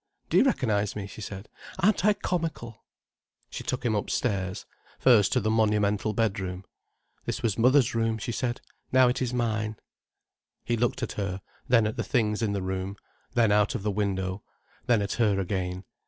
"Do you recognize me?" she said. "Aren't I comical?" She took him upstairs—first to the monumental bedroom. "This was mother's room," she said. "Now it is mine." He looked at her, then at the things in the room, then out of the window, then at her again.